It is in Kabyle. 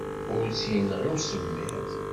Ur tt-yenɣi usemmiḍ.